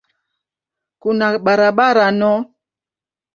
Kuna barabara no.